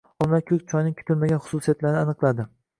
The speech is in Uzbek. Olimlar ko‘k choyning kutilmagan xususiyatlarini aniqladi